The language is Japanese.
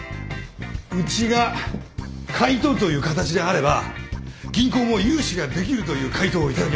うちが買い取るという形であれば銀行も融資ができるという回答を頂きました。